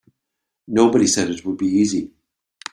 Nobody said it would be easy.